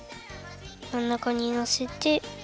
まんなかにのせて。